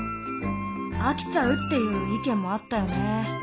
飽きちゃうっていう意見もあったよね。